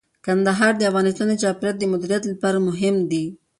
کندهار د افغانستان د چاپیریال د مدیریت لپاره مهم دي.